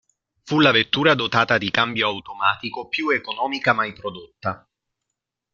Fu la vettura dotata di cambio automatico più economica mai prodotta.